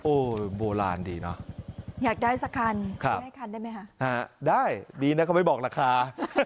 โอ้โหโบราณดีเนอะอยากได้สักคันได้คันได้ไหมคะได้ดีนะเขาไม่บอกราคา